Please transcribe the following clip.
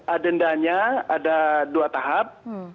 adendanya ada dua tahap